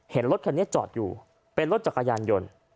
รถคันนี้จอดอยู่เป็นรถจักรยานยนต์